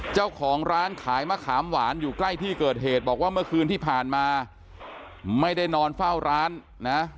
เจ้าของร้านขายมะขามหวานอยู่ใกล้ที่เกิดเหตุบอกว่าเมื่อคืนที่ผ่านมาไม่ได้นอนเฝ้าร้านนะ